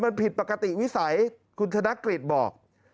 มันผิดปกติวิสัยคุณธนกฤษบอก